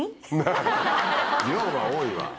量が多いわ。